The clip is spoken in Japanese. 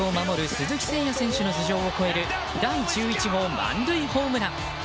鈴木誠也選手の頭上を越える第１１号満塁ホームラン。